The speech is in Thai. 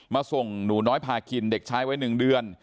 ส่งหนูน้อยพากินเด็กชายวัย๑เดือน